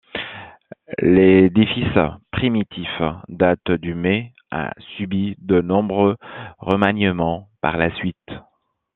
L'édifice primitif date du mais a subi de nombreux remaniements par la suite.